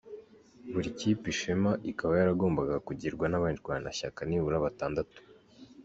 Buri Kipe Ishema ikaba yaragombaga kugirwa n’abarwanashyaka nibura batandatu.